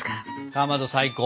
かまど最高！